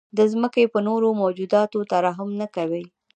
د ځمکې په نورو موجوداتو ترحم نه کوئ.